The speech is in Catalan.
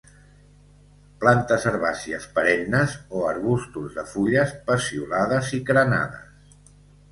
Plantes herbàcies perennes o arbustos de fulles peciolades i crenades.